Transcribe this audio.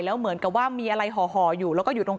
แล้วเหมือนกับว่ามีอะไรห่ออยู่